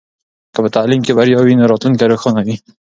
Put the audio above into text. که په تعلیم کې بریا وي نو راتلونکی روښانه وي.